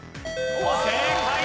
正解！